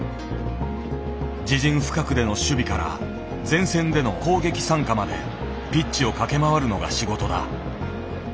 自陣深くでの守備から前線での攻撃参加までピッチを駆け回るのが仕事だ。